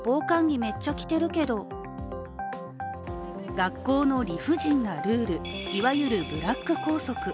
学校の理不尽なルール、いわゆるブラック校則。